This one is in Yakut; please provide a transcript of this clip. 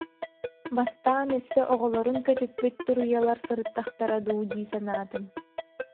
Бастаан өссө оҕолорун көтүппүт туруйалар сырыттахтара дуу дии санаатым